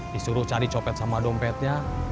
disuruh cari copet sama dompetnya